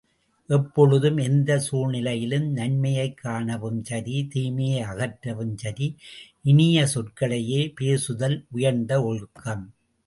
எப்பொழுதும் எந்தச் சூழ்நிலையிலும் நன்மையைக் காணவும் சரி, தீமையை அகற்றவும் சரி இனிய சொற்களையே பேசுதல் உயர்ந்த ஒழுக்கம்.